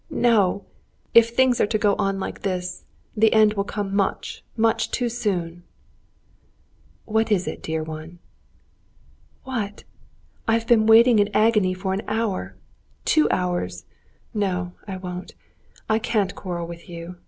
"No; if things are to go on like this, the end will come much, much too soon." "What is it, dear one?" "What? I've been waiting in agony for an hour, two hours ... No, I won't ... I can't quarrel with you.